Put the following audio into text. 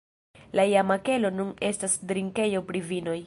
La iama kelo nun estas drinkejo pri vinoj.